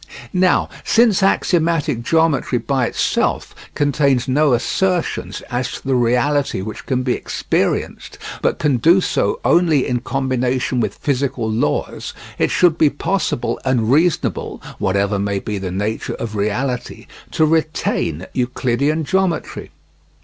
Now since axiomatic geometry by itself contains no assertions as to the reality which can be experienced, but can do so only in combination with physical laws, it should be possible and reasonable whatever may be the nature of reality to retain Euclidean geometry.